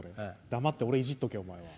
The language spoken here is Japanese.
黙って俺いじっとけ、お前は。